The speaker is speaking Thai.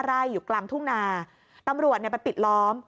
ไร่อยู่กลางทุ่งนาตำรวจเนี่ยไปปิดล้อม